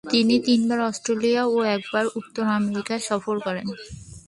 তিনি তিনবার অস্ট্রেলিয়া ও একবার উত্তর আমেরিকা সফর করেন।